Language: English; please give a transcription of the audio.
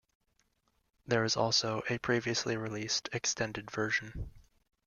There is also a previously released extended version.